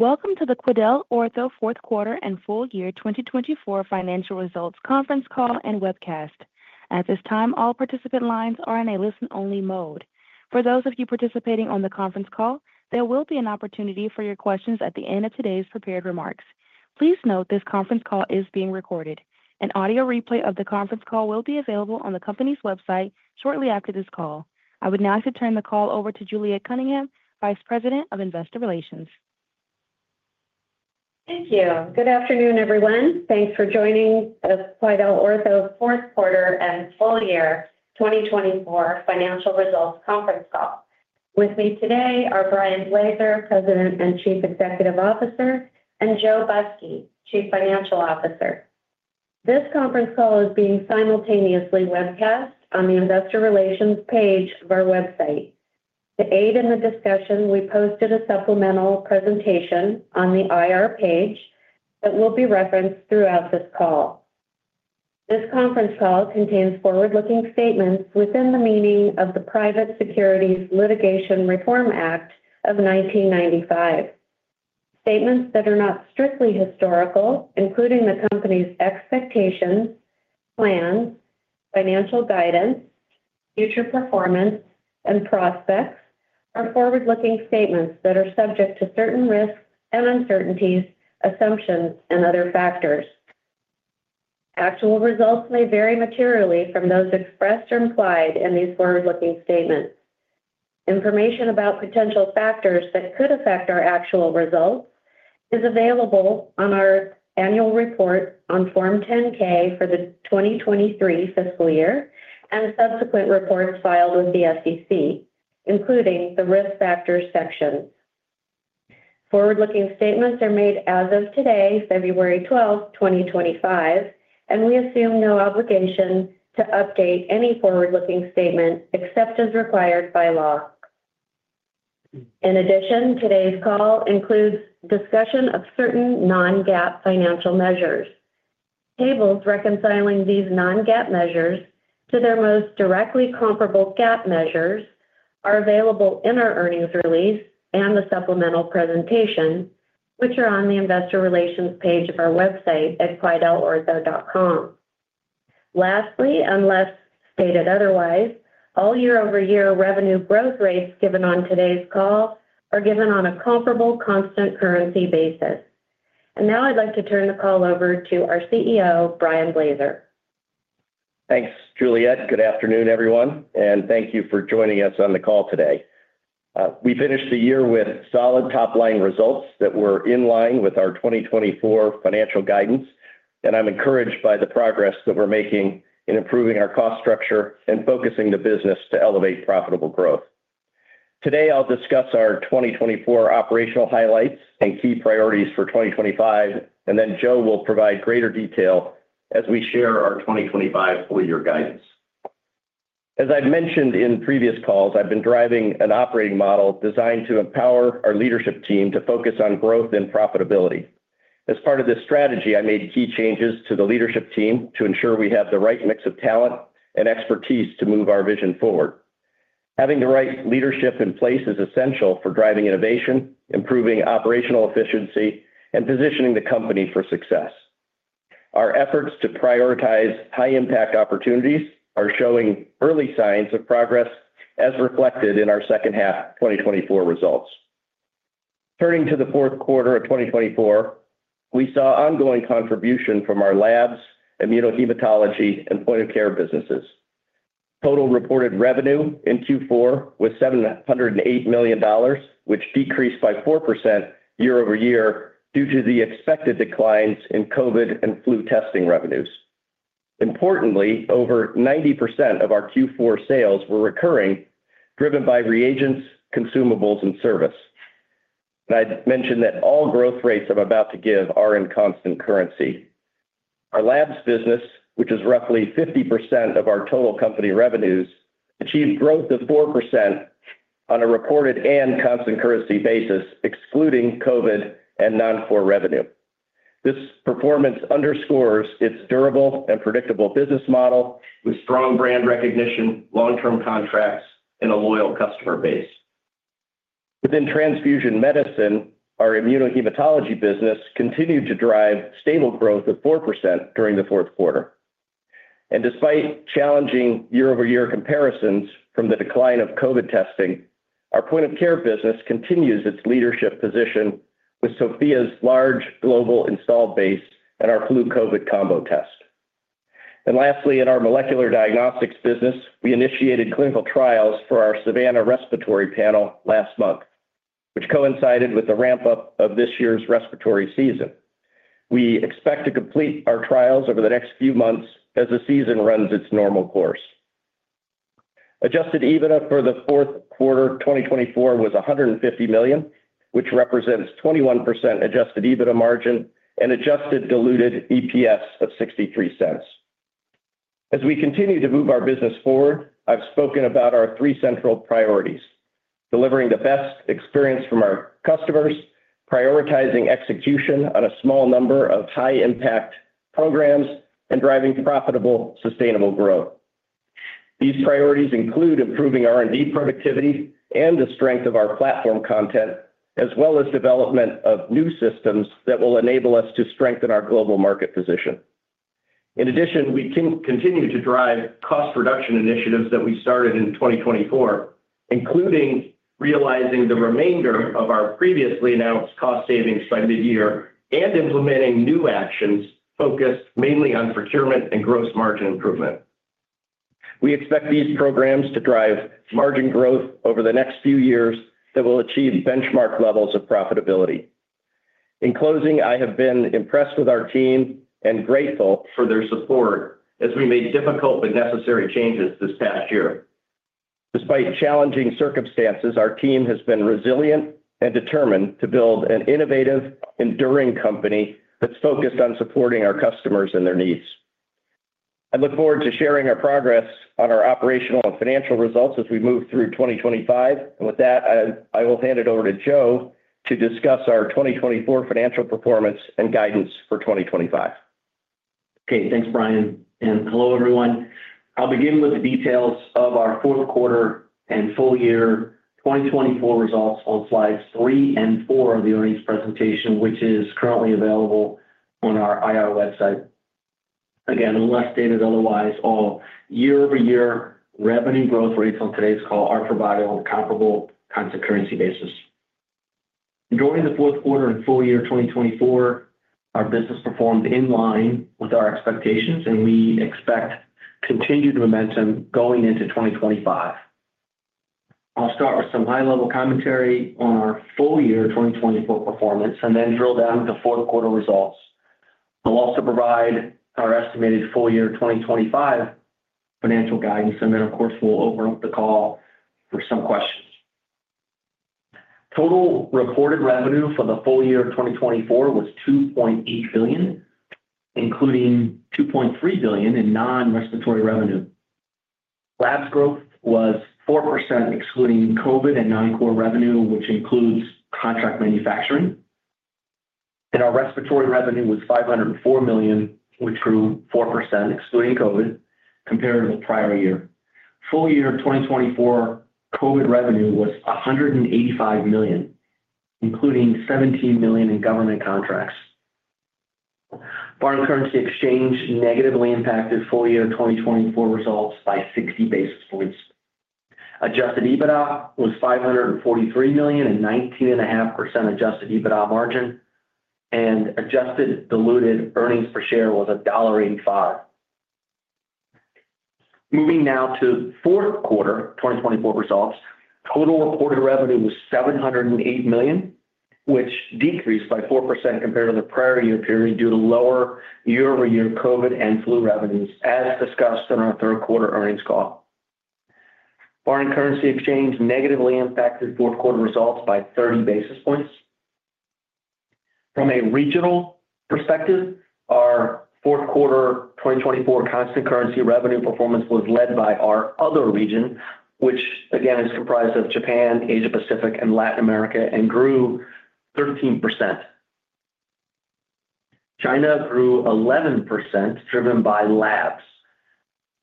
Welcome to the QuidelOrtho Fourth Quarter and Full Year 2024 Financial Results Conference Call and Webcast. At this time, all participant lines are in a listen-only mode. For those of you participating on the conference call, there will be an opportunity for your questions at the end of today's prepared remarks. Please note this conference call is being recorded. An audio replay of the conference call will be available on the company's website shortly after this call. I would now like to turn the call over to Juliet Cunningham, Vice President of Investor Relations. Thank you. Good afternoon, everyone. Thanks for joining the QuidelOrtho Fourth Quarter and Full Year 2024 Financial Results Conference Call. With me today are Brian Blaser, President and Chief Executive Officer, and Joe Busky, Chief Financial Officer. This conference call is being simultaneously webcast on the Investor Relations page of our website. To aid in the discussion, we posted a supplemental presentation on the IR page that will be referenced throughout this call. This conference call contains forward-looking statements within the meaning of the Private Securities Litigation Reform Act of 1995. Statements that are not strictly historical, including the company's expectations, plans, financial guidance, future performance, and prospects, are forward-looking statements that are subject to certain risks and uncertainties, assumptions, and other factors. Actual results may vary materially from those expressed or implied in these forward-looking statements. Information about potential factors that could affect our actual results is available on our annual report on Form 10-K for the 2023 fiscal year and subsequent reports filed with the SEC, including the risk factors sections. Forward-looking statements are made as of today, February 12th, 2025, and we assume no obligation to update any forward-looking statement except as required by law. In addition, today's call includes discussion of certain non-GAAP financial measures. Tables reconciling these non-GAAP measures to their most directly comparable GAAP measures are available in our earnings release and the supplemental presentation, which are on the Investor Relations page of our website at quidelortho.com. Lastly, unless stated otherwise, all year-over-year revenue growth rates given on today's call are given on a comparable constant currency basis, and now I'd like to turn the call over to our CEO, Brian Blaser. Thanks, Juliet. Good afternoon, everyone, and thank you for joining us on the call today. We finished the year with solid top-line results that were in line with our 2024 financial guidance, and I'm encouraged by the progress that we're making in improving our cost structure and focusing the business to elevate profitable growth. Today, I'll discuss our 2024 operational highlights and key priorities for 2025, and then Joe will provide greater detail as we share our 2025 full-year guidance. As I've mentioned in previous calls, I've been driving an operating model designed to empower our leadership team to focus on growth and profitability. As part of this strategy, I made key changes to the leadership team to ensure we have the right mix of talent and expertise to move our vision forward. Having the right leadership in place is essential for driving innovation, improving operational efficiency, and positioning the company for success. Our efforts to prioritize high-impact opportunities are showing early signs of progress as reflected in our second half 2024 results. Turning to the fourth quarter of 2024, we saw ongoing contribution from our labs, immunohematology, and point-of-care businesses. Total reported revenue in Q4 was $708 million, which decreased by 4% year-over-year due to the expected declines in COVID and flu testing revenues. Importantly, over 90% of our Q4 sales were recurring, driven by reagents, consumables, and service. I'd mentioned that all growth rates I'm about to give are in constant currency. Our labs business, which is roughly 50% of our total company revenues, achieved growth of 4% on a reported and constant currency basis, excluding COVID and non-core revenue. This performance underscores its durable and predictable business model with strong brand recognition, long-term contracts, and a loyal customer base. Within transfusion medicine, our immunohematology business continued to drive stable growth of 4% during the fourth quarter. And despite challenging year-over-year comparisons from the decline of COVID testing, our point-of-care business continues its leadership position with SOFIA's large global installed base and our flu COVID combo test. And lastly, in our molecular diagnostics business, we initiated clinical trials for our Savanna respiratory panel last month, which coincided with the ramp-up of this year's respiratory season. We expect to complete our trials over the next few months as the season runs its normal course. Adjusted EBITDA for the fourth quarter 2024 was $150 million, which represents 21% adjusted EBITDA margin and adjusted diluted EPS of $0.63. As we continue to move our business forward, I've spoken about our three central priorities: delivering the best experience from our customers, prioritizing execution on a small number of high-impact programs, and driving profitable, sustainable growth. These priorities include improving R&D productivity and the strength of our platform content, as well as development of new systems that will enable us to strengthen our global market position. In addition, we continue to drive cost reduction initiatives that we started in 2024, including realizing the remainder of our previously announced cost savings by mid-year and implementing new actions focused mainly on procurement and gross margin improvement. We expect these programs to drive margin growth over the next few years that will achieve benchmark levels of profitability. In closing, I have been impressed with our team and grateful for their support as we made difficult but necessary changes this past year. Despite challenging circumstances, our team has been resilient and determined to build an innovative, enduring company that's focused on supporting our customers and their needs. I look forward to sharing our progress on our operational and financial results as we move through 2025. And with that, I will hand it over to Joe to discuss our 2024 financial performance and guidance for 2025. Okay, thanks, Brian. And hello, everyone. I'll begin with the details of our fourth quarter and full year 2024 results on slides three and four of the earnings presentation, which is currently available on our IR website. Again, unless stated otherwise, all year-over-year revenue growth rates on today's call are provided on a comparable constant currency basis. During the fourth quarter and full year 2024, our business performed in line with our expectations, and we expect continued momentum going into 2025. I'll start with some high-level commentary on our full year 2024 performance and then drill down into fourth quarter results. I'll also provide our estimated full year 2025 financial guidance, and then, of course, we'll open up the call for some questions. Total reported revenue for the full year 2024 was $2.8 billion, including $2.3 billion in non-respiratory revenue. Labs growth was 4%, excluding COVID and non-core revenue, which includes contract manufacturing. Our respiratory revenue was $504 million, which grew 4%, excluding COVID, compared to the prior year. Full year 2024 COVID revenue was $185 million, including $17 million in government contracts. Foreign currency exchange negatively impacted full year 2024 results by 60 basis points. Adjusted EBITDA was $543 million and 19.5% adjusted EBITDA margin, and adjusted diluted earnings per share was $1.85. Moving now to fourth quarter 2024 results, total reported revenue was $708 million, which decreased by 4% compared to the prior year period due to lower year-over-year COVID and flu revenues, as discussed in our third quarter earnings call. Foreign currency exchange negatively impacted fourth quarter results by 30 basis points. From a regional perspective, our fourth quarter 2024 constant currency revenue performance was led by our other region, which again is comprised of Japan, Asia-Pacific, and Latin America, and grew 13%. China grew 11%, driven by labs.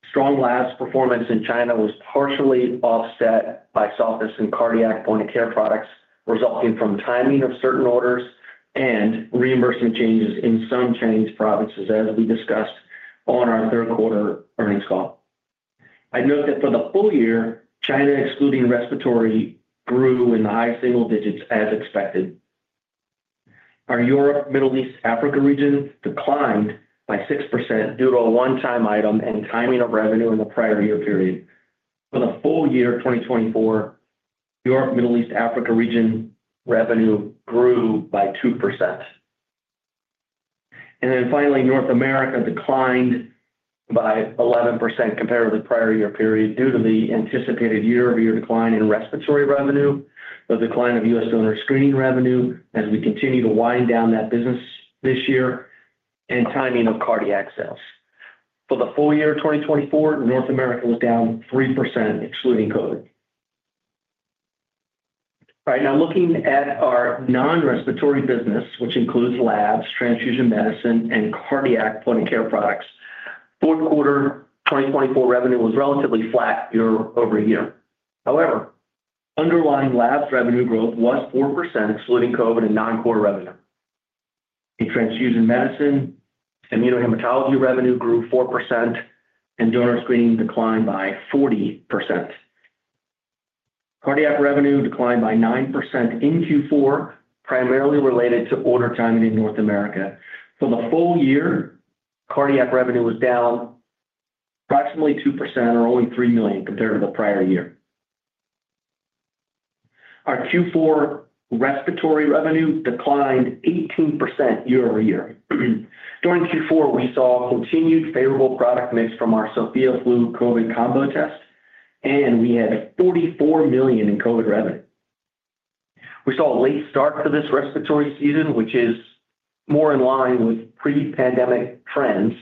Strong labs performance in China was partially offset by softness in cardiac point-of-care products, resulting from timing of certain orders and reimbursement changes in some Chinese provinces, as we discussed on our third quarter earnings call. I'd note that for the full year, China, excluding respiratory, grew in the high single digits, as expected. Our Europe, Middle East, and Africa region declined by 6% due to a one-time item and timing of revenue in the prior year period. For the full year 2024, Europe, Middle East, and Africa region revenue grew by 2%. And then finally, North America declined by 11% compared to the prior year period due to the anticipated year-over-year decline in respiratory revenue, the decline of U.S. donor screening revenue as we continue to wind down that business this year, and timing of cardiac sales. For the full year 2024, North America was down 3%, excluding COVID. All right, now looking at our non-respiratory business, which includes labs, transfusion medicine, and cardiac point-of-care products, fourth quarter 2024 revenue was relatively flat year-over-year. However, underlying labs revenue growth was 4%, excluding COVID and non-core revenue. In transfusion medicine, immunohematology revenue grew 4%, and donor screening declined by 40%. Cardiac revenue declined by 9% in Q4, primarily related to order timing in North America. For the full year, cardiac revenue was down approximately 2%, or only $3 million compared to the prior year. Our Q4 respiratory revenue declined 18% year-over-year. During Q4, we saw continued favorable product mix from our SOFIA Flu COVID combo test, and we had $44 million in COVID revenue. We saw a late start to this respiratory season, which is more in line with pre-pandemic trends,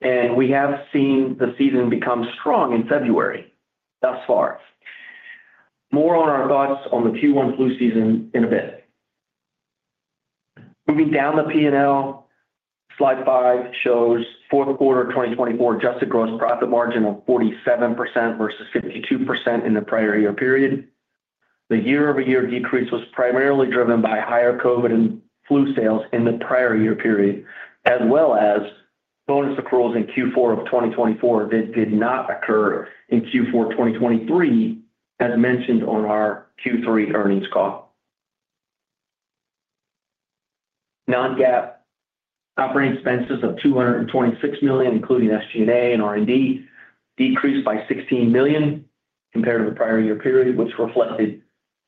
and we have seen the season become strong in February thus far. More on our thoughts on the Q1 flu season in a bit. Moving down the P&L, slide five shows fourth quarter 2024 adjusted gross profit margin of 47% versus 52% in the prior year period. The year-over-year decrease was primarily driven by higher COVID and flu sales in the prior year period, as well as bonus accruals in Q4 of 2024 that did not occur in Q4 2023, as mentioned on our Q3 earnings call. Non-GAAP operating expenses of $226 million, including SG&A and R&D, decreased by $16 million compared to the prior year period, which reflected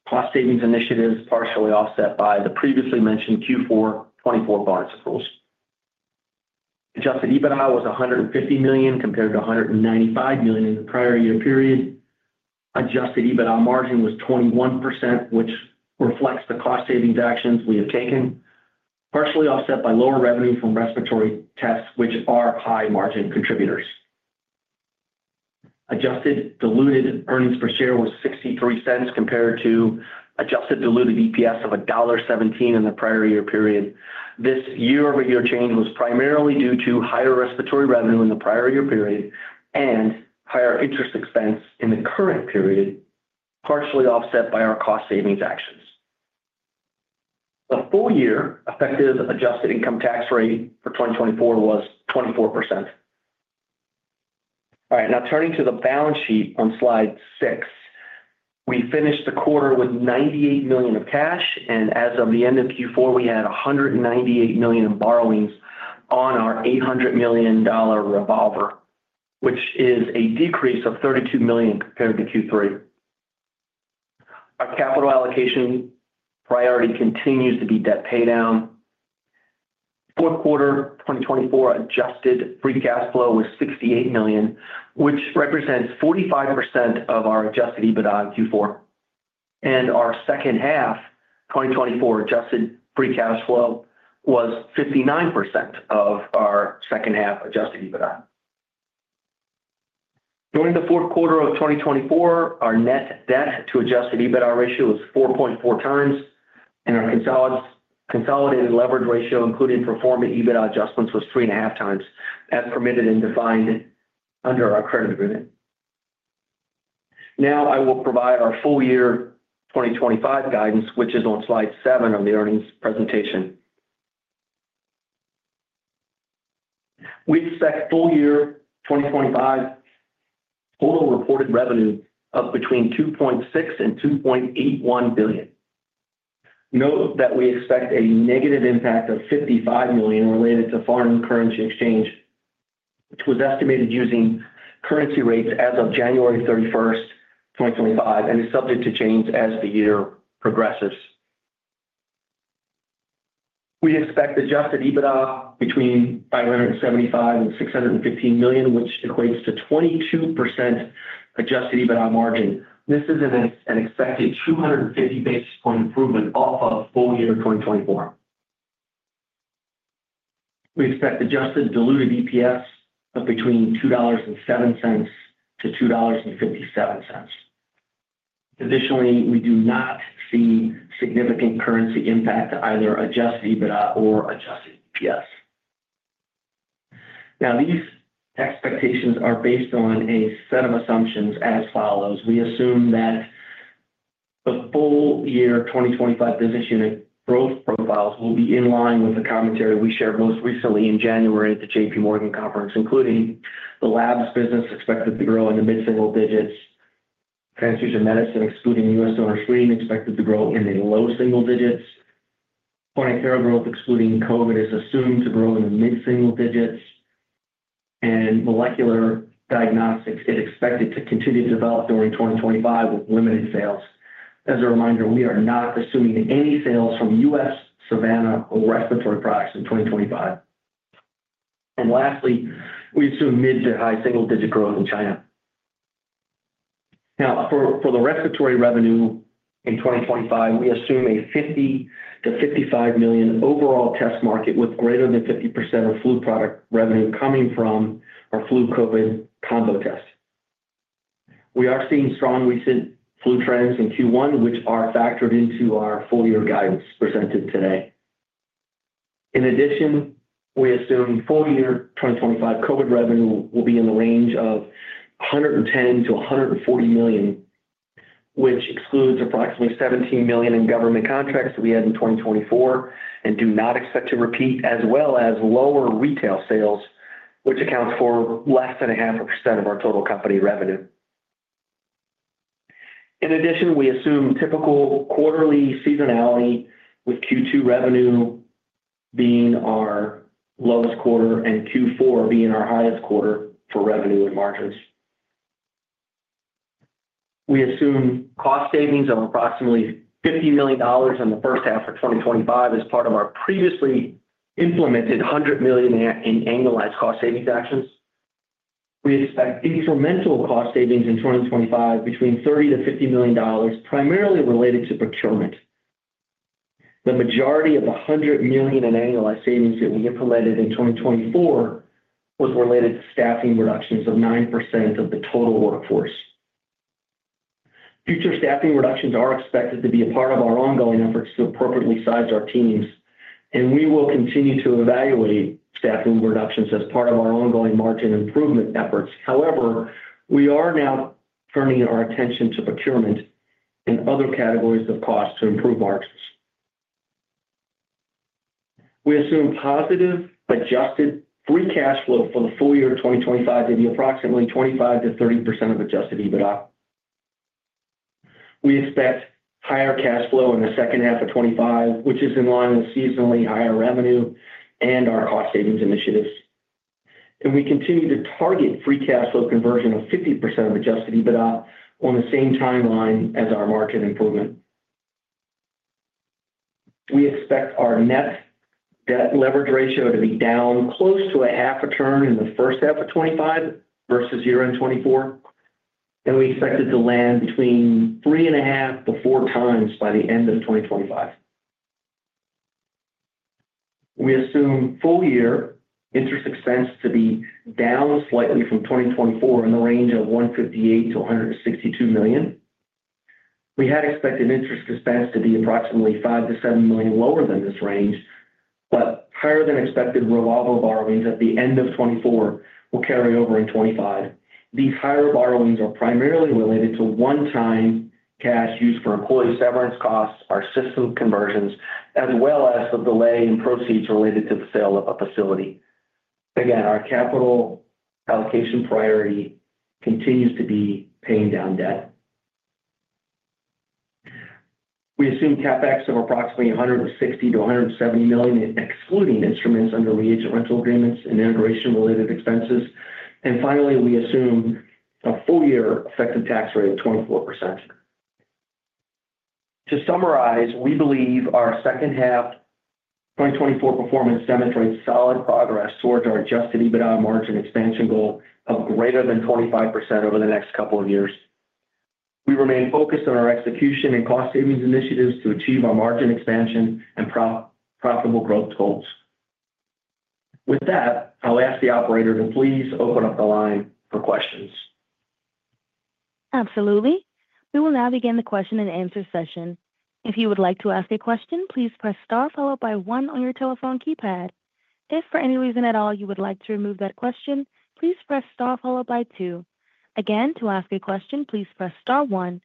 cost savings initiatives partially offset by the previously mentioned Q4 2024 bonus accruals. Adjusted EBITDA was $150 million compared to $195 million in the prior year period. Adjusted EBITDA margin was 21%, which reflects the cost savings actions we have taken, partially offset by lower revenue from respiratory tests, which are high margin contributors. Adjusted diluted earnings per share was $0.63 compared to adjusted diluted EPS of $1.17 in the prior year period. This year-over-year change was primarily due to higher respiratory revenue in the prior year period and higher interest expense in the current period, partially offset by our cost savings actions. The full year effective adjusted income tax rate for 2024 was 24%. All right, now turning to the balance sheet on slide six, we finished the quarter with $98 million of cash, and as of the end of Q4, we had $198 million in borrowings on our $800 million revolver, which is a decrease of $32 million compared to Q3. Our capital allocation priority continues to be debt paydown. Fourth quarter 2024 adjusted free cash flow was $68 million, which represents 45% of our adjusted EBITDA in Q4. Our second half 2024 adjusted free cash flow was 59% of our second half adjusted EBITDA. During the fourth quarter of 2024, our net debt-to-adjusted EBITDA ratio was 4.4 times, and our consolidated leverage ratio, including performance EBITDA adjustments, was 3.5 times, as permitted and defined under our credit agreement. Now I will provide our full year 2025 guidance, which is on slide seven of the earnings presentation. We expect full year 2025 total reported revenue of between $2.6 and $2.81 billion. Note that we expect a negative impact of $55 million related to foreign currency exchange, which was estimated using currency rates as of January 31st, 2025, and is subject to change as the year progresses. We expect adjusted EBITDA between $575 and $615 million, which equates to 22% adjusted EBITDA margin. This is an expected 250 basis points improvement off of full year 2024. We expect adjusted diluted EPS of between $2.07 to $2.57. Additionally, we do not see significant currency impact to either adjusted EBITDA or adjusted EPS. Now, these expectations are based on a set of assumptions as follows. We assume that the full year 2025 business unit growth profiles will be in line with the commentary we shared most recently in January at the J.P. Morgan conference, including the labs business expected to grow in the mid-single digits, transfusion medicine, excluding U.S. donor screening, expected to grow in the low single digits, point-of-care growth, excluding COVID, is assumed to grow in the mid-single digits, and molecular diagnostics are expected to continue to develop during 2025 with limited sales. As a reminder, we are not assuming any sales from U.S. Savanna or respiratory products in 2025. And lastly, we assume mid to high single digit growth in China. Now, for the respiratory revenue in 2025, we assume a $50-$55 million overall test market with greater than 50% of flu product revenue coming from our flu COVID combo test. We are seeing strong recent flu trends in Q1, which are factored into our full year guidance presented today. In addition, we assume full year 2025 COVID revenue will be in the range of $110-$140 million, which excludes approximately $17 million in government contracts that we had in 2024 and do not expect to repeat, as well as lower retail sales, which accounts for less than 0.5% of our total company revenue. In addition, we assume typical quarterly seasonality, with Q2 revenue being our lowest quarter and Q4 being our highest quarter for revenue and margins. We assume cost savings of approximately $50 million in the first half of 2025 as part of our previously implemented $100 million in annualized cost savings actions. We expect incremental cost savings in 2025 between $30-$50 million, primarily related to procurement. The majority of the $100 million in annualized savings that we implemented in 2024 was related to staffing reductions of 9% of the total workforce. Future staffing reductions are expected to be a part of our ongoing efforts to appropriately size our teams, and we will continue to evaluate staffing reductions as part of our ongoing margin improvement efforts. However, we are now turning our attention to procurement and other categories of cost to improve margins. We assume positive adjusted free cash flow for the full year 2025 to be approximately 25%-30% of adjusted EBITDA. We expect higher cash flow in the second half of 2025, which is in line with seasonally higher revenue and our cost savings initiatives, and we continue to target free cash flow conversion of 50% of adjusted EBITDA on the same timeline as our margin improvement. We expect our net debt leverage ratio to be down close to a half a turn in the first half of 2025 versus year-end 2024, and we expect it to land between three and a half to four times by the end of 2025. We assume full year interest expense to be down slightly from 2024 in the range of $158-$162 million. We had expected interest expense to be approximately $5-$7 million lower than this range, but higher-than-expected revolver borrowings at the end of 2024 will carry over in 2025. These higher borrowings are primarily related to one-time cash used for employee severance costs, our system conversions, as well as the delay in proceeds related to the sale of a facility. Again, our capital allocation priority continues to be paying down debt. We assume CapEx of approximately $160-$170 million, excluding instruments under reagent rental agreements and integration-related expenses, and finally, we assume a full year effective tax rate of 24%. To summarize, we believe our second half 2024 performance demonstrates solid progress towards our adjusted EBITDA margin expansion goal of greater than 25% over the next couple of years. We remain focused on our execution and cost savings initiatives to achieve our margin expansion and profitable growth goals. With that, I'll ask the operator to please open up the line for questions. Absolutely. We will now begin the question and answer session. If you would like to ask a question, please press Star followed by 1 on your telephone keypad. If for any reason at all you would like to remove that question, please press Star followed by 2. Again, to ask a question, please press Star 1.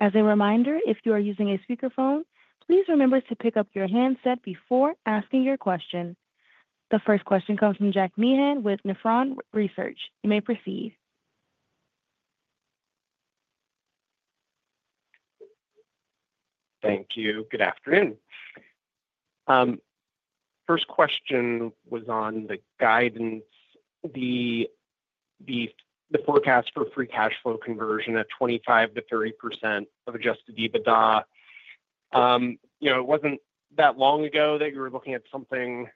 As a reminder, if you are using a speakerphone, please remember to pick up your handset before asking your question. The first question comes from Jack Meehan with Nephron Research. You may proceed. Thank you. Good afternoon. First question was on the guidance, the forecast for free cash flow conversion at 25%-30% of adjusted EBITDA. It wasn't that long ago that you were looking at something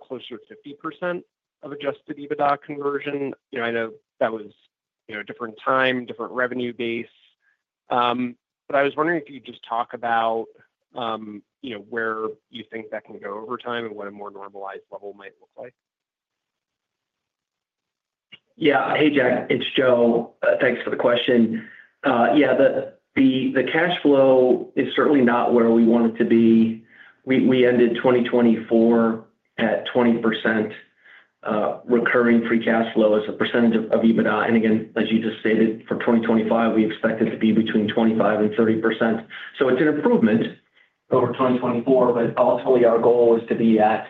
closer to 50% of adjusted EBITDA conversion. I know that was a different time, different revenue base. But I was wondering if you could just talk about where you think that can go over time and what a more normalized level might look like. Yeah. Hey, Jack. It's Joe. Thanks for the question. Yeah, the cash flow is certainly not where we want it to be. We ended 2024 at 20% recurring free cash flow as a percentage of EBITDA. And again, as you just stated, for 2025, we expect it to be between 25%-30%. So it's an improvement over 2024, but ultimately, our goal is to be at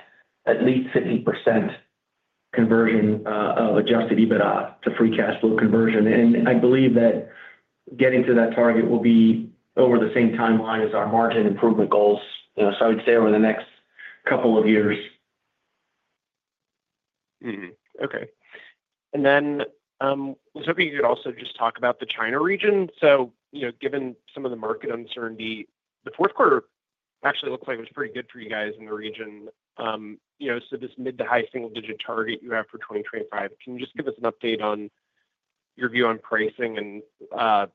least 50% conversion of adjusted EBITDA to free cash flow conversion. And I believe that getting to that target will be over the same timeline as our margin improvement goals. So I would say over the next couple of years. Okay. And then I was hoping you could also just talk about the China region. So given some of the market uncertainty, the fourth quarter actually looks like it was pretty good for you guys in the region. So this mid to high single digit target you have for 2025, can you just give us an update on your view on pricing and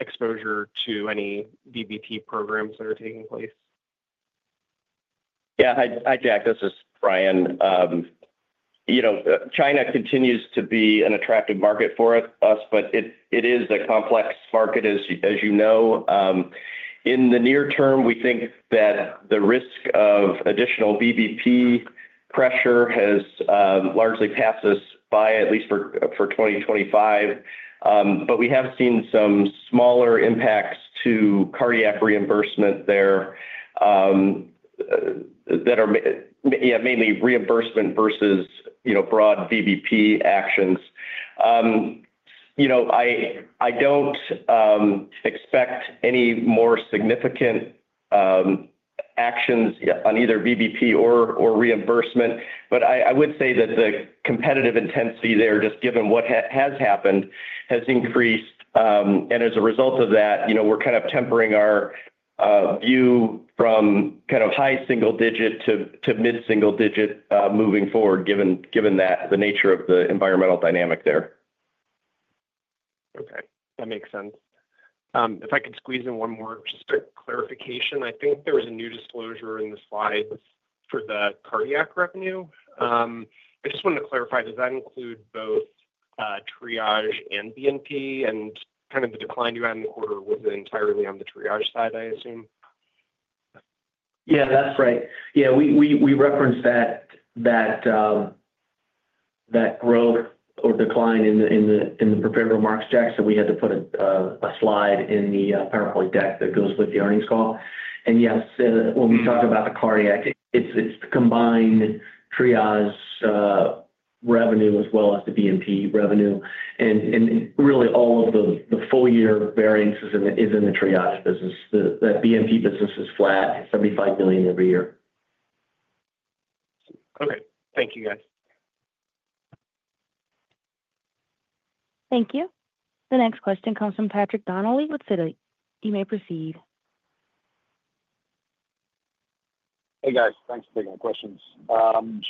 exposure to any VBP programs that are taking place? Yeah. Hi, Jack. This is Brian. China continues to be an attractive market for us, but it is a complex market, as you know. In the near term, we think that the risk of additional VBP pressure has largely passed us by, at least for 2025. But we have seen some smaller impacts to cardiac reimbursement there that are mainly reimbursement versus broad VBP actions. I don't expect any more significant actions on either VBP or reimbursement, but I would say that the competitive intensity there, just given what has happened, has increased. And as a result of that, we're kind of tempering our view from kind of high single-digit to mid-single-digit moving forward, given the nature of the environmental dynamic there. Okay. That makes sense. If I could squeeze in one more just clarification. I think there was a new disclosure in the slides for the cardiac revenue. I just wanted to clarify, does that include both Triage and BNP? And kind of the decline you had in the quarter was entirely on the Triage side, I assume? Yeah, that's right. Yeah, we referenced that growth or decline in the prepared remarks, Jack, so we had to put a slide in the PowerPoint deck that goes with the earnings call. And yes, when we talk about the cardiac, it's the combined Triage revenue as well as the BNP revenue. And really, all of the full year variance is in the Triage business. The BNP business is flat, $75 million every year. Okay. Thank you, guys. Thank you. The next question comes from Patrick Donnelly with Citi. You may proceed. Hey, guys. Thanks for taking my questions.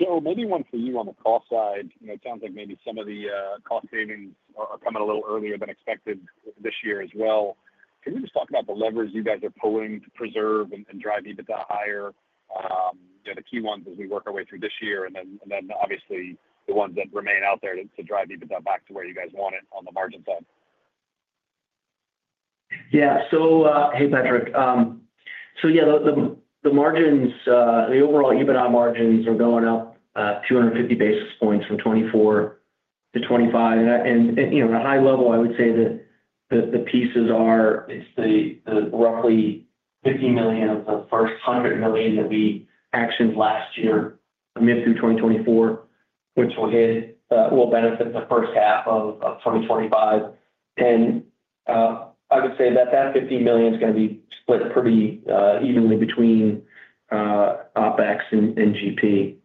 Joe, maybe one for you on the cost side. It sounds like maybe some of the cost savings are coming a little earlier than expected this year as well. Can we just talk about the levers you guys are pulling to preserve and drive EBITDA higher? The key ones as we work our way through this year, and then obviously the ones that remain out there to drive EBITDA back to where you guys want it on the margin side. Yeah. So hey, Patrick. So yeah, the margins, the overall EBITDA margins are going up 250 basis points from 2024 to 2025. And at a high level, I would say that the pieces are roughly $50 million of the first $100 million that we actioned last year mid through 2024, which will benefit the first half of 2025. And I would say that that $50 million is going to be split pretty evenly between OpEx and GP.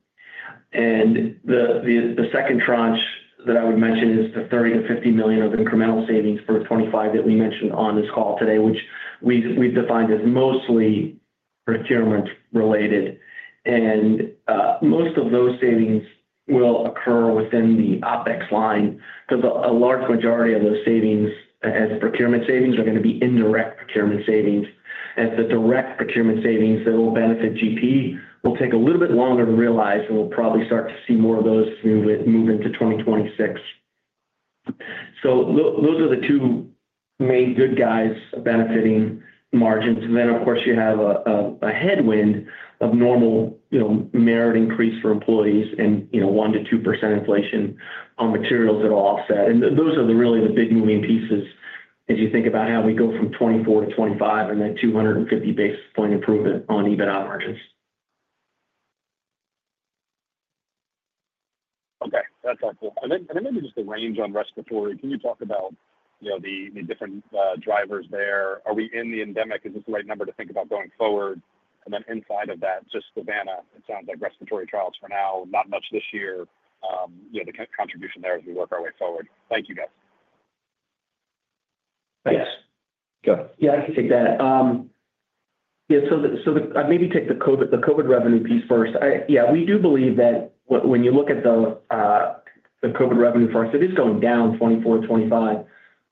And the second tranche that I would mention is the $30-$50 million of incremental savings for 2025 that we mentioned on this call today, which we've defined as mostly procurement related. And most of those savings will occur within the OpEx line because a large majority of those savings as procurement savings are going to be indirect procurement savings. As the direct procurement savings that will benefit GP will take a little bit longer to realize, and we'll probably start to see more of those move into 2026. So those are the two main good guys benefiting margins. Then, of course, you have a headwind of normal merit increase for employees and 1-2% inflation on materials that will offset. Those are really the big moving pieces as you think about how we go from 2024 to 2025 and then 250 basis point improvement on EBITDA margins. Okay. That's helpful. Then maybe just the range on respiratory. Can you talk about the different drivers there? Are we in the endemic? Is this the right number to think about going forward? Then inside of that, just Savanna, it sounds like respiratory trials for now, not much this year. The contribution there as we work our way forward. Thank you, guys. Thanks. Yeah, I can take that. Yeah. I'd maybe take the COVID revenue piece first. Yeah, we do believe that when you look at the COVID revenue for us, it is going down 2024 to 2025.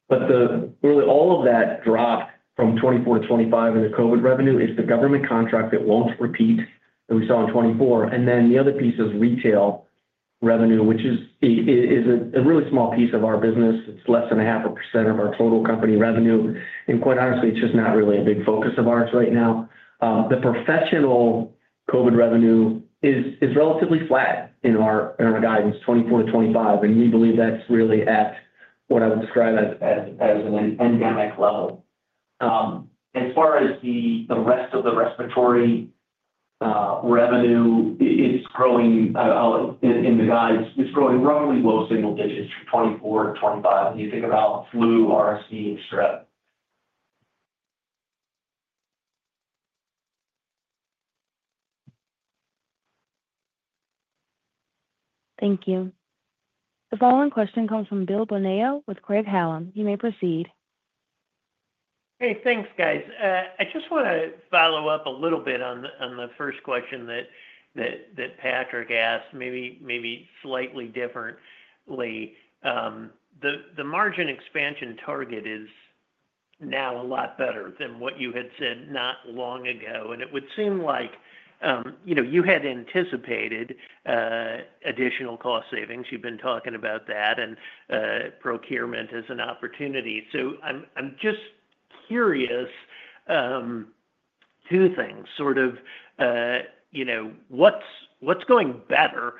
But really, all of that drop from 2024 to 2025 in the COVID revenue is the government contract that won't repeat that we saw in 2024. And then the other piece is retail revenue, which is a really small piece of our business. It's less than 0.5% of our total company revenue. And quite honestly, it's just not really a big focus of ours right now. The professional COVID revenue is relatively flat in our guidance 2024 to 2025. And we believe that's really at what I would describe as an endemic level. As far as the rest of the respiratory revenue, it's growing in the guides. It's growing roughly low single digits from 2024 to 2025 when you think about flu, RSV, and strep. Thank you. The following question comes from Bill Bonello with Craig-Hallum. You may proceed. Hey, thanks, guys. I just want to follow up a little bit on the first question that Patrick asked, maybe slightly differently. The margin expansion target is now a lot better than what you had said not long ago, and it would seem like you had anticipated additional cost savings. You've been talking about that and procurement as an opportunity, so I'm just curious, two things. Sort of what's going better?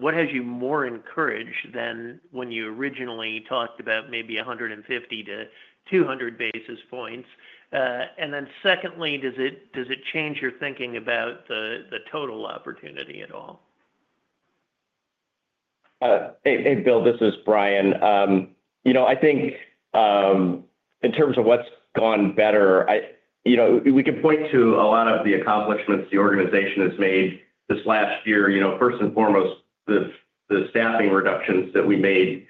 What has you more encouraged than when you originally talked about maybe 150-200 basis points? And then secondly, does it change your thinking about the total opportunity at all? Hey, Bill, this is Brian. I think in terms of what's gone better, we can point to a lot of the accomplishments the organization has made this last year. First and foremost, the staffing reductions that we made,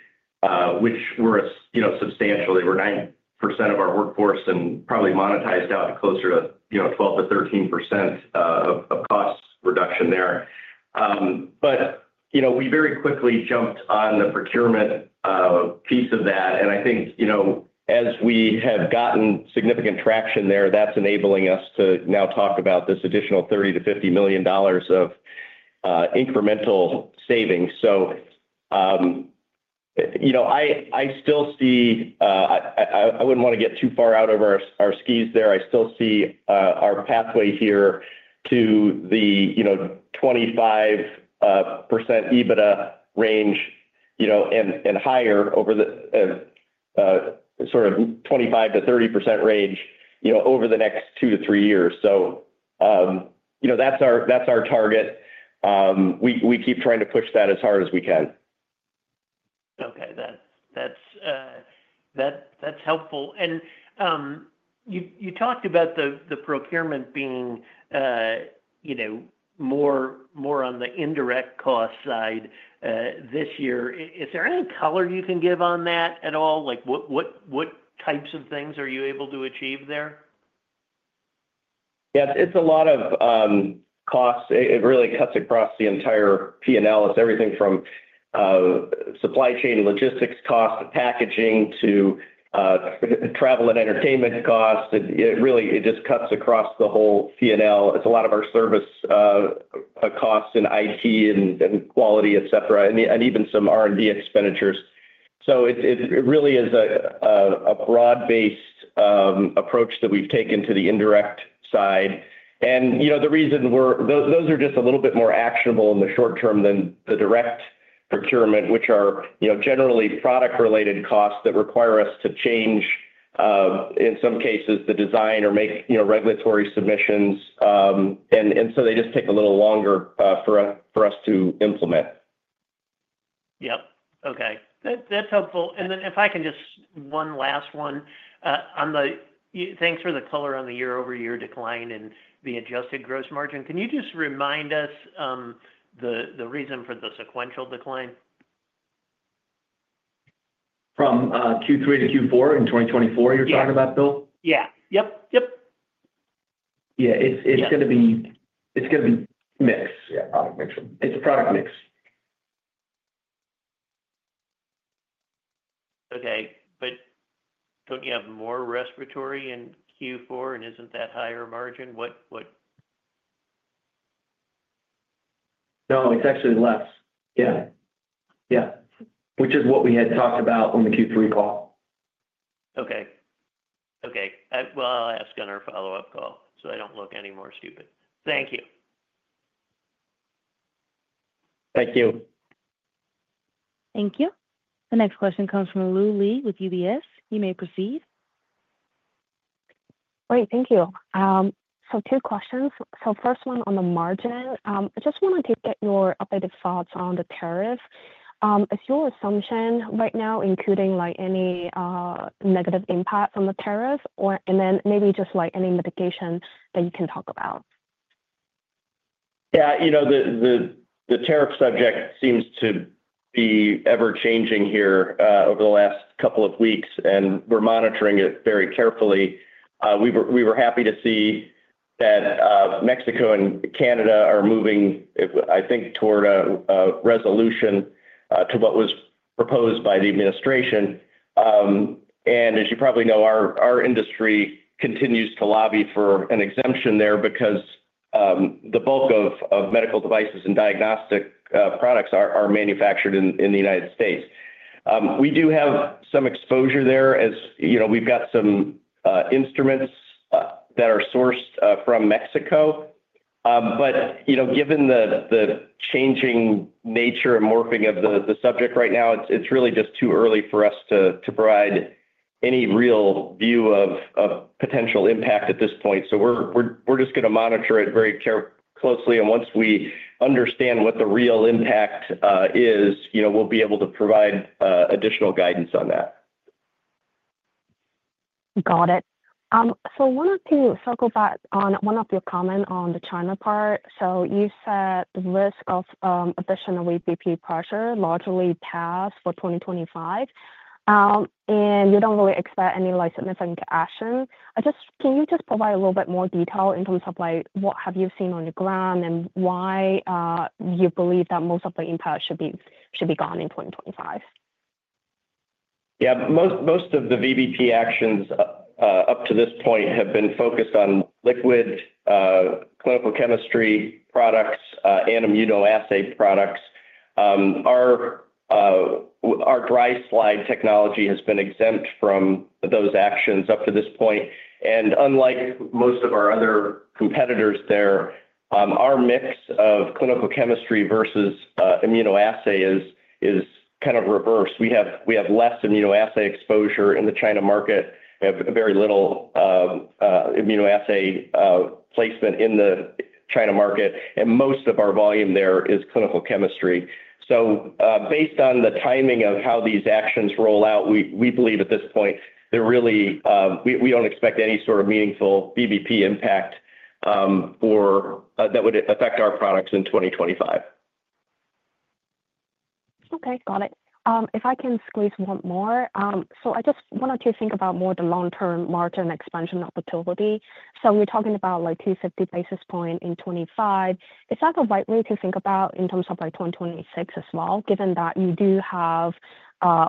which were substantial. They were 9% of our workforce and probably monetized out closer to 12%-13% of cost reduction there. But we very quickly jumped on the procurement piece of that. And I think as we have gotten significant traction there, that's enabling us to now talk about this additional $30-$50 million of incremental savings. So I still see I wouldn't want to get too far out of our skis there. I still see our pathway here to the 25% EBITDA range and higher over the sort of 25%-30% range over the next two to three years. So that's our target. We keep trying to push that as hard as we can. Okay. That's helpful. And you talked about the procurement being more on the indirect cost side this year. Is there any color you can give on that at all? What types of things are you able to achieve there? Yeah. It's a lot of costs. It really cuts across the entire P&L. It's everything from supply chain logistics costs, packaging to travel and entertainment costs. It really just cuts across the whole P&L. It's a lot of our service costs and IT and quality, etc., and even some R&D expenditures. So it really is a broad-based approach that we've taken to the indirect side. The reason those are just a little bit more actionable in the short term than the direct procurement, which are generally product-related costs that require us to change, in some cases, the design or make regulatory submissions. They just take a little longer for us to implement. Yep. Okay. That's helpful. Then if I can just one last one. Thanks for the color on the year-over-year decline and the adjusted gross margin. Can you just remind us the reason for the sequential decline? From Q3 to Q4 in 2024, you're talking about, Bill? Yeah. Yep. Yep. Yeah. It's going to be mixed. Yeah. Product mixture. It's a product mix. Okay. But don't you have more respiratory in Q4 and isn't that higher margin? What? No, it's actually less. Yeah. Yeah. Which is what we had talked about on the Q3 call. Okay. Okay. Well, I'll ask on our follow-up call so I don't look any more stupid. Thank you. Thank you. Thank you. The next question comes from Lu Li with UBS. You may proceed. Great. Thank you. So two questions. So first one on the margin. I just wanted to get your updated thoughts on the tariff. Is your assumption right now including any negative impact on the tariff, and then maybe just any mitigation that you can talk about? Yeah. The tariff subject seems to be ever-changing here over the last couple of weeks, and we're monitoring it very carefully. We were happy to see that Mexico and Canada are moving, I think, toward a resolution to what was proposed by the administration, and as you probably know, our industry continues to lobby for an exemption there because the bulk of medical devices and diagnostic products are manufactured in the United States. We do have some exposure there as we've got some instruments that are sourced from Mexico, but given the changing nature and morphing of the subject right now, it's really just too early for us to provide any real view of potential impact at this point. So we're just going to monitor it very closely. And once we understand what the real impact is, we'll be able to provide additional guidance on that. Got it. So I wanted to circle back on one of your comments on the China part. So you said the risk of additional VBP pressure largely passed for 2025, and you don't really expect any significant action. Can you just provide a little bit more detail in terms of what have you seen on the ground and why you believe that most of the impact should be gone in 2025? Yeah. Most of the VBP actions up to this point have been focused on liquid clinical chemistry products and immunoassay products. Our dry slide technology has been exempt from those actions up to this point. Unlike most of our other competitors there, our mix of clinical chemistry versus immunoassay is kind of reversed. We have less immunoassay exposure in the China market. We have very little immunoassay placement in the China market, and most of our volume there is clinical chemistry. So based on the timing of how these actions roll out, we believe at this point we don't expect any sort of meaningful VBP impact that would affect our products in 2025. Okay. Got it. If I can squeeze one more. I just wanted to think about more of the long-term margin expansion opportunity. We're talking about like 250 basis points in 2025. Is that the right way to think about in terms of 2026 as well, given that you do have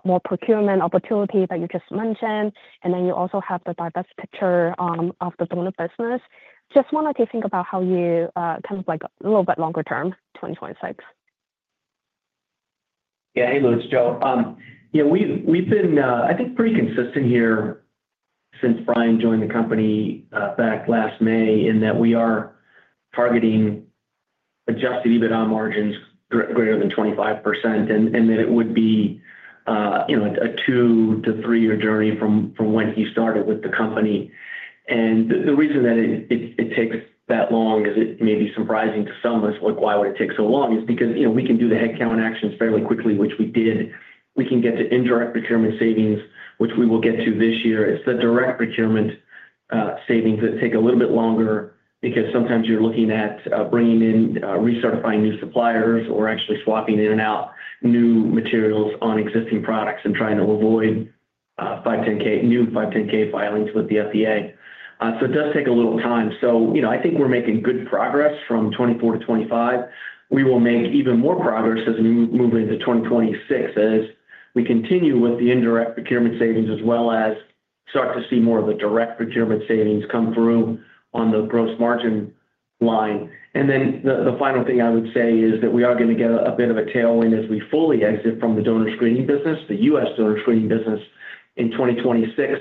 more procurement opportunity that you just mentioned, and then you also have the diverse picture of the donor business? Just wanted to think about how you kind of like a little bit longer term, 2026. Yeah. Hey, Lou. It's Joe. Yeah. We've been, I think, pretty consistent here since Brian joined the company back last May in that we are targeting Adjusted EBITDA margins greater than 25% and that it would be a two to three-year journey from when he started with the company. And the reason that it takes that long is it may be surprising to some of us, like, "Why would it take so long?" It's because we can do the headcount actions fairly quickly, which we did. We can get to indirect procurement savings, which we will get to this year. It's the direct procurement savings that take a little bit longer because sometimes you're looking at bringing in recertifying new suppliers or actually swapping in and out new materials on existing products and trying to avoid new 510(k) filings with the FDA. So it does take a little time. So I think we're making good progress from 2024 to 2025. We will make even more progress as we move into 2026 as we continue with the indirect procurement savings as well as start to see more of the direct procurement savings come through on the gross margin line. And then the final thing I would say is that we are going to get a bit of a tailwind as we fully exit from the donor screening business, the U.S. donor screening business in 2026.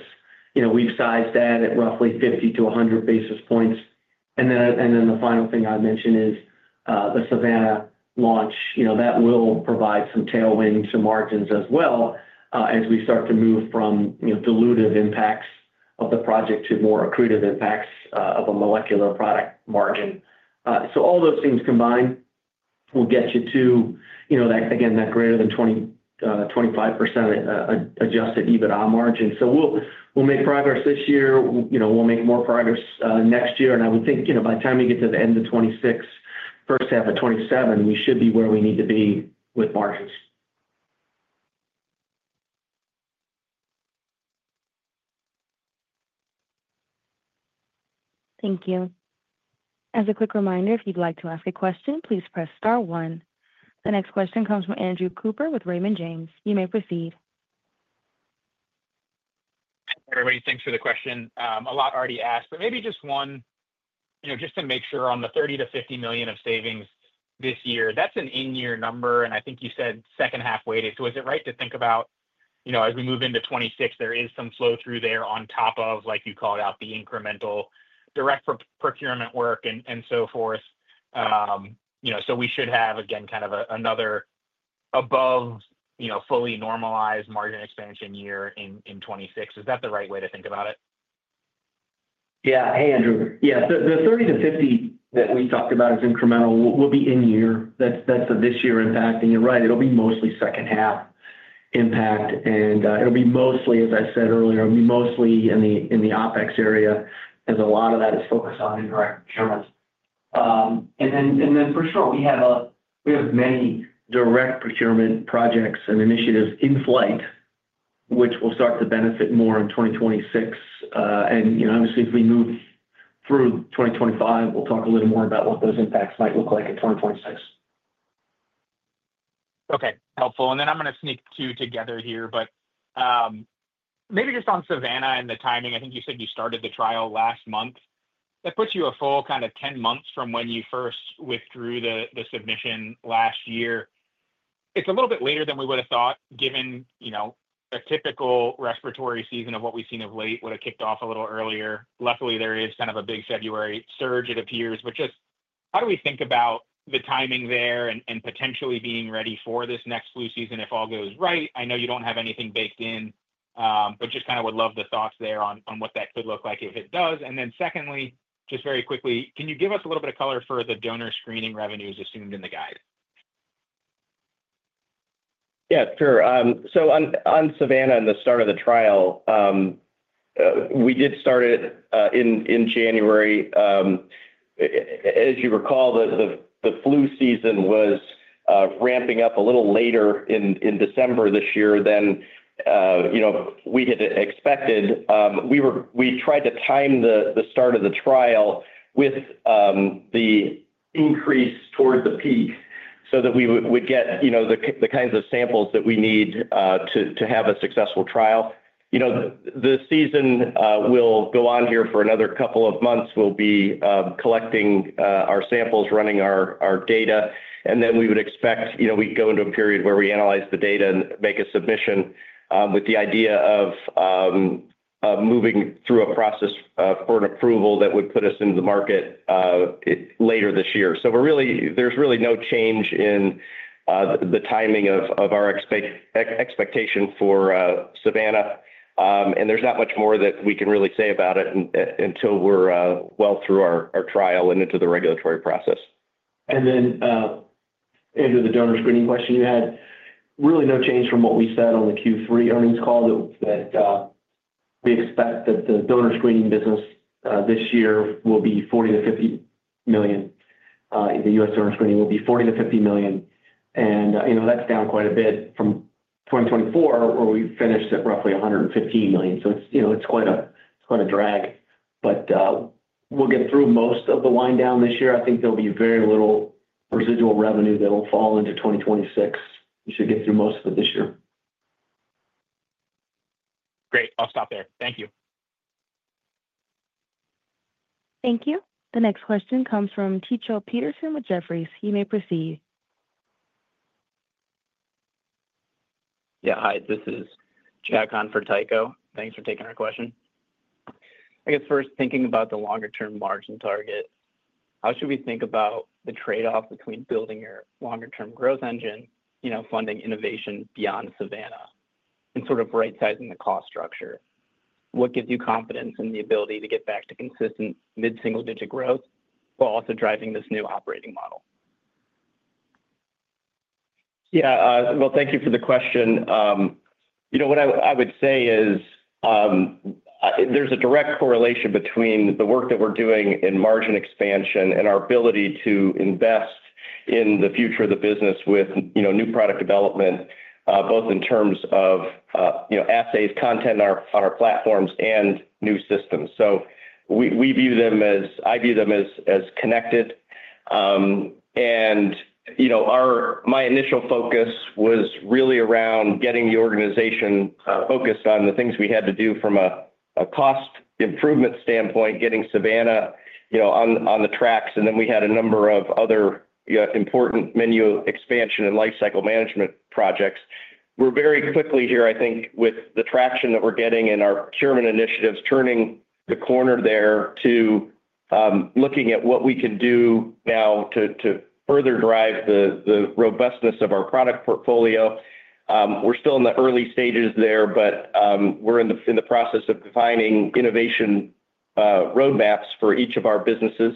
We've sized that at roughly 50-100 basis points. And then the final thing I mentioned is the Savanna launch. That will provide some tailwinds to margins as well as we start to move from dilutive impacts of the project to more accretive impacts of a molecular product margin. So all those things combined will get you to, again, that greater than 25% Adjusted EBITDA margin. So we'll make progress this year. We'll make more progress next year. And I would think by the time we get to the end of 2026, first half of 2027, we should be where we need to be with margins. Thank you. As a quick reminder, if you'd like to ask a question, please press star one. The next question comes from Andrew Cooper with Raymond James. You may proceed. Hey, everybody. Thanks for the question. A lot already asked, but maybe just one, just to make sure on the $30 million-$50 million of savings this year, that's an in-year number. I think you said second half weighted. So is it right to think about as we move into 2026, there is some flow through there on top of, like you called out, the incremental direct procurement work and so forth? So we should have, again, kind of another above fully normalized margin expansion year in 2026. Is that the right way to think about it? Yeah. Hey, Andrew. Yeah. The $30 million-$50 million that we talked about as incremental will be in-year. That's the this-year impact. You're right. It'll be mostly second half impact. It'll be mostly, as I said earlier, it'll be mostly in the OpEx area as a lot of that is focused on indirect procurement. And then, for sure, we have many direct procurement projects and initiatives in flight, which will start to benefit more in 2026. And obviously, as we move through 2025, we'll talk a little more about what those impacts might look like in 2026. Okay. Helpful. And then, I'm going to sneak two together here, but maybe just on Savanna and the timing. I think you said you started the trial last month. That puts you a full kind of 10 months from when you first withdrew the submission last year. It's a little bit later than we would have thought, given a typical respiratory season of what we've seen of late would have kicked off a little earlier. Luckily, there is kind of a big February surge, it appears. But just how do we think about the timing there and potentially being ready for this next flu season if all goes right? I know you don't have anything baked in, but just kind of would love the thoughts there on what that could look like if it does. And then secondly, just very quickly, can you give us a little bit of color for the donor screening revenues assumed in the guide? Yeah. Sure. So on Savanna and the start of the trial, we did start it in January. As you recall, the flu season was ramping up a little later in December this year than we had expected. We tried to time the start of the trial with the increase toward the peak so that we would get the kinds of samples that we need to have a successful trial. The season will go on here for another couple of months. We'll be collecting our samples, running our data, and then we would expect we'd go into a period where we analyze the data and make a submission with the idea of moving through a process for an approval that would put us into the market later this year, so there's really no change in the timing of our expectation for Savanna. And there's not much more that we can really say about it until we're well through our trial and into the regulatory process. And then into the donor screening question you had, really no change from what we said on the Q3 earnings call that we expect that the donor screening business this year will be $40 million-$50 million. The U.S. donor screening will be $40 million-$50 million. That's down quite a bit from 2024, where we finished at roughly $115 million. So it's quite a drag. But we'll get through most of the wind down this year. I think there'll be very little residual revenue that'll fall into 2026. We should get through most of it this year. Great. I'll stop there. Thank you. Thank you. The next question comes from Tycho Peterson with Jefferies. You may proceed. Yeah. Hi. This is Jack on for Tycho. Thanks for taking our question. I guess first, thinking about the longer-term margin target, how should we think about the trade-off between building your longer-term growth engine, funding innovation beyond Savanna, and sort of right-sizing the cost structure? What gives you confidence in the ability to get back to consistent mid-single-digit growth while also driving this new operating model? Yeah. Well, thank you for the question. What I would say is there's a direct correlation between the work that we're doing in margin expansion and our ability to invest in the future of the business with new product development, both in terms of assays, content on our platforms, and new systems. So we view them as connected. My initial focus was really around getting the organization focused on the things we had to do from a cost improvement standpoint, getting Savanna on the tracks. Then we had a number of other important menu expansion and lifecycle management projects. We're very quickly here, I think, with the traction that we're getting in our procurement initiatives, turning the corner there to looking at what we can do now to further drive the robustness of our product portfolio. We're still in the early stages there, but we're in the process of defining innovation roadmaps for each of our businesses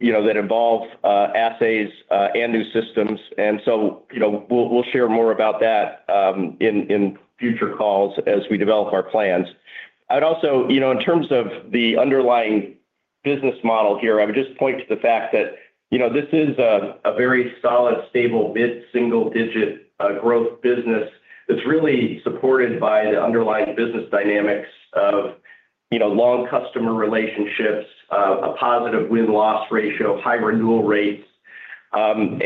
that involve assays and new systems, and so we'll share more about that in future calls as we develop our plans. I'd also, in terms of the underlying business model here, I would just point to the fact that this is a very solid, stable, mid-single-digit growth business that's really supported by the underlying business dynamics of long customer relationships, a positive win-loss ratio, high renewal rates, and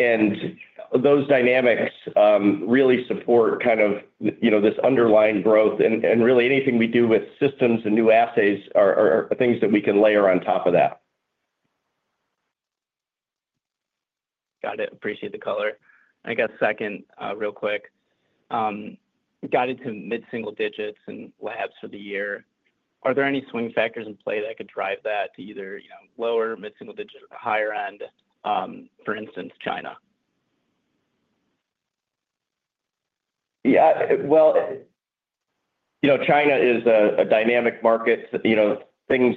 those dynamics really support kind of this underlying growth, and really, anything we do with systems and new assays are things that we can layer on top of that. Got it. Appreciate the color. I guess second, real quick, got into mid-single digits in labs for the year. Are there any swing factors in play that could drive that to either lower, mid-single digit, or the higher end, for instance, China? Yeah. Well, China is a dynamic market. Things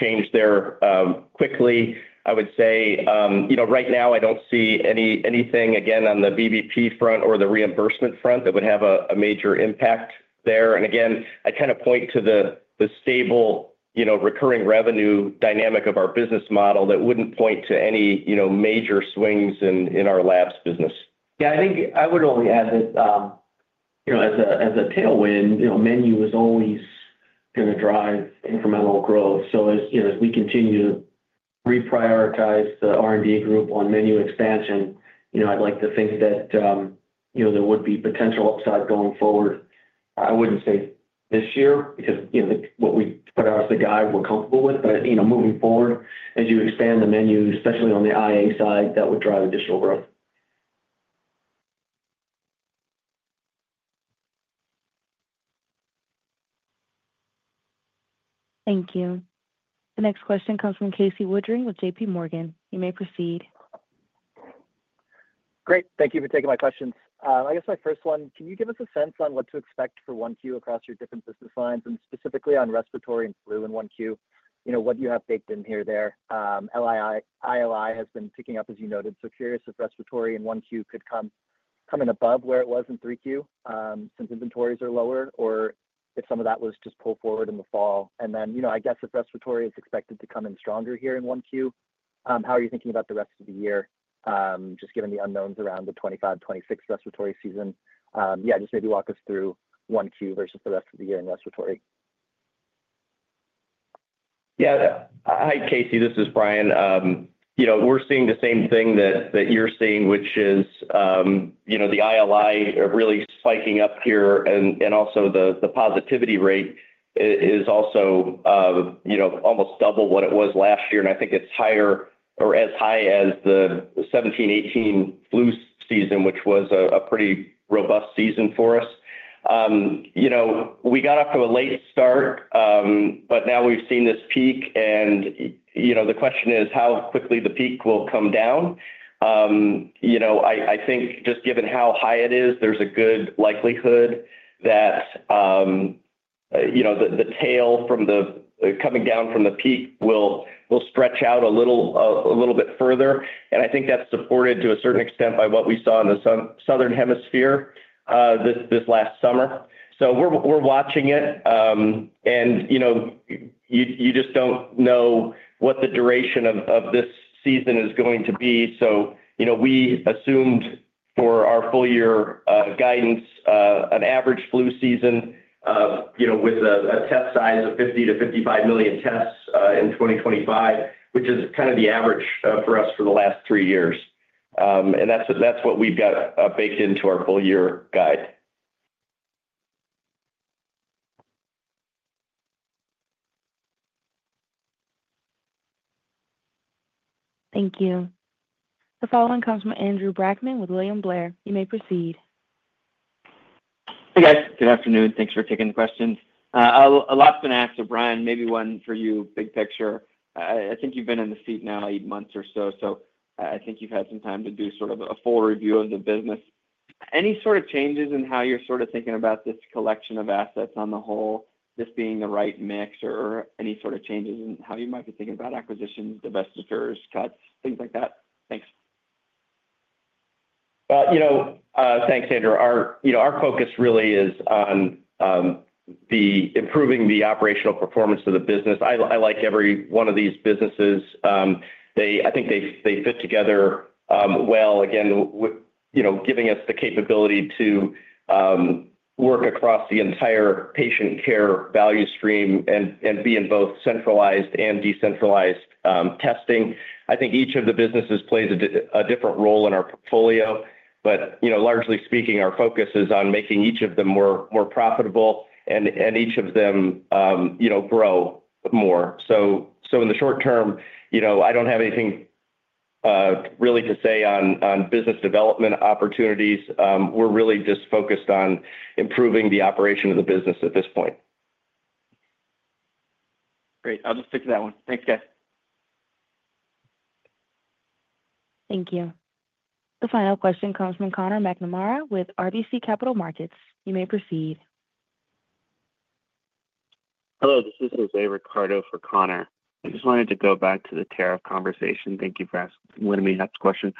change there quickly, I would say. Right now, I don't see anything, again, on the VBP front or the reimbursement front that would have a major impact there. And again, I kind of point to the stable recurring revenue dynamic of our business model that wouldn't point to any major swings in our labs business. Yeah. I think I would only add that as a tailwind, menu is always going to drive incremental growth. So as we continue to reprioritize the R&D group on menu expansion, I'd like to think that there would be potential upside going forward. I wouldn't say this year because what we put out as the guide we're comfortable with. But moving forward, as you expand the menu, especially on the IA side, that would drive additional growth. Thank you. The next question comes from Casey Woodring with JPMorgan. You may proceed. Great. Thank you for taking my questions. I guess my first one, can you give us a sense on what to expect for 1Q across your different business lines and specifically on respiratory and flu in 1Q? What do you have baked in here there? ILI has been picking up, as you noted. So curious if respiratory in 1Q could come in above where it was in 3Q since inventories are lower or if some of that was just pulled forward in the fall. And then I guess if respiratory is expected to come in stronger here in 1Q, how are you thinking about the rest of the year just given the unknowns around the 2025, 2026 respiratory season? Yeah. Just maybe walk us through 1Q versus the rest of the year in respiratory. Yeah. Hi, Casey. This is Brian. We're seeing the same thing that you're seeing, which is the ILI really spiking up here. And also the positivity rate is also almost double what it was last year. And I think it's higher or as high as the 2017, 2018 flu season, which was a pretty robust season for us. We got off to a late start, but now we've seen this peak. And the question is how quickly the peak will come down. I think just given how high it is, there's a good likelihood that the tail from the coming down from the peak will stretch out a little bit further. And I think that's supported to a certain extent by what we saw in the Southern Hemisphere this last summer. So we're watching it. And you just don't know what the duration of this season is going to be. So we assumed for our full-year guidance, an average flu season with a test size of 50-55 million tests in 2025, which is kind of the average for us for the last three years. And that's what we've got baked into our full-year guide. Thank you. The following comes from Andrew Brackman with William Blair. You may proceed. Hey, guys. Good afternoon. Thanks for taking the questions. A lot's been asked of Brian. Maybe one for you, big picture. I think you've been in the seat now eight months or so. So I think you've had some time to do sort of a full review of the business. Any sort of changes in how you're sort of thinking about this collection of assets on the whole, this being the right mix, or any sort of changes in how you might be thinking about acquisitions, divestitures, cuts, things like that? Thanks. Thanks, Andrew. Our focus really is on improving the operational performance of the business. I like every one of these businesses. I think they fit together well. Again, giving us the capability to work across the entire patient care value stream and be in both centralized and decentralized testing. I think each of the businesses plays a different role in our portfolio. But largely speaking, our focus is on making each of them more profitable and each of them grow more. So in the short term, I don't have anything really to say on business development opportunities. We're really just focused on improving the operation of the business at this point. Great. I'll just stick to that one. Thanks, guys. Thank you. The final question comes from Connor McNamara with RBC Capital Markets. You may proceed. Hello. This is José Ricardo for Connor. I just wanted to go back to the tariff conversation. Thank you for letting me ask the question.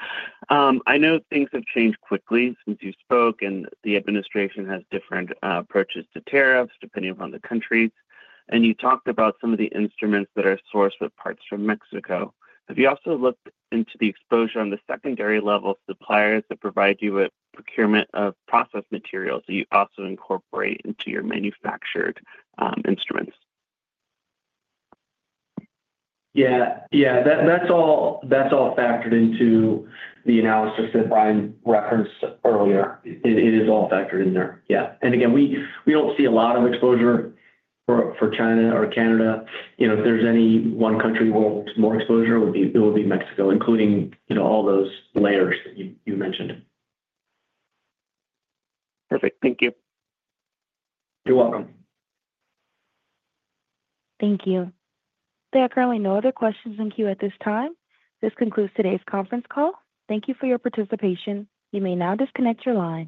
I know things have changed quickly since you spoke, and the administration has different approaches to tariffs depending upon the countries. And you talked about some of the instruments that are sourced with parts from Mexico. Have you also looked into the exposure on the secondary level suppliers that provide you with procurement of process materials that you also incorporate into your manufactured instruments? Yeah. Yeah. That's all factored into the analysis that Brian referenced earlier. It is all factored in there. Yeah. And again, we don't see a lot of exposure for China or Canada. If there's any one country where it's more exposure, it would be Mexico, including all those layers that you mentioned. Perfect. Thank you. You're welcome. Thank you. There are currently no other questions in the queue at this time. This concludes today's conference call. Thank you for your participation. You may now disconnect your line.